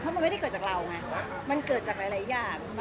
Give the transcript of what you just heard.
มันไม่ได้เกิดจากเราไงมันเกิดจากหลายอย่าง